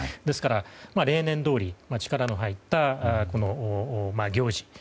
ですから、例年どおり力の入ったこの行事